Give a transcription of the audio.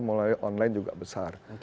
melalui online juga besar